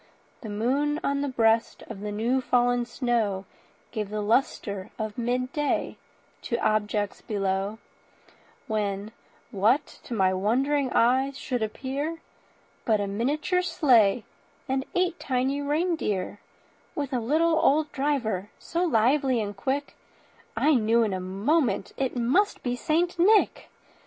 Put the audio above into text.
The moon on the breast of the new fallen snow Gave a lustre of midday to objects below; When what to my wondering eyes should appear, But a miniature sleigh and eight tiny reindeer, With a little old driver, so lively and quick I knew in a moment it must be St. Nick.